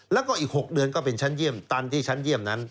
แล้วก็อีก๖เดือนก็เป็นชั้นเยี่ยมตันที่ชั้นเยี่ยมนั้น